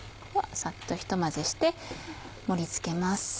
サッとひと混ぜして盛り付けます。